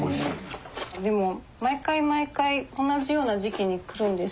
でも毎回毎回同じような時期に来るんですけど。